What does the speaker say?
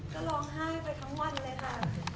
ก็ร้องไห้ไปทั้งวันเลยค่ะ